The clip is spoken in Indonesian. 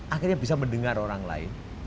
akhirnya bisa mendengar orang lain